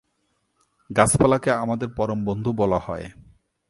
গাছপালাকে আমাদের পরম বন্ধু বলা হয়।